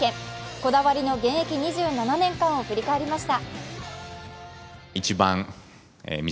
こだわりの現役２７年間を振り返りました。